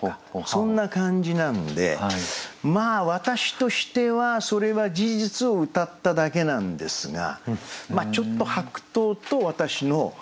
そんな感じなんでまあ私としてはそれは事実をうたっただけなんですがちょっと白桃と私の孤独孤独感っていうかな。